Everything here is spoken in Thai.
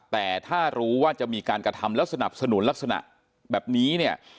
แต่ถ้ารู้ว่าจะมีการกระทำแล้วสนับสนุนลักษณะแบบนี้เนี่ย